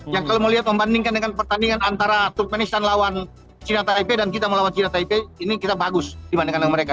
yang kalau melihat membandingkan dengan pertandingan antara turkmenistan lawan cina tip dan kita melawan cina tip ini kita bagus dibandingkan dengan mereka